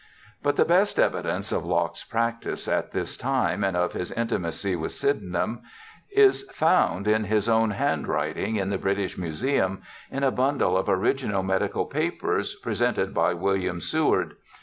But the best evidence of Locke's practice at this time and of his intimacy with Sydenham is found in his own JOHN LOCKE 75 handwriting in the British Museum in a bundle of original medical papers presented by William Seward.